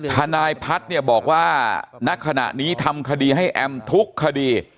ทนายพัฒน์เนี่ยบอกว่าณขณะนี้ทำคดีให้แอมทุกคดี